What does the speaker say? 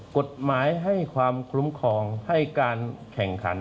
กฎหมายให้ความคุ้มครองให้การแข่งขัน